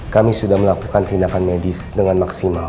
kami sudah melakukan tindakan medis dengan maksimal